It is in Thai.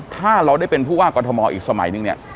ถ้าเราได้เป็นผู้ว่ากรทมอีกสมัยนึงเนี่ย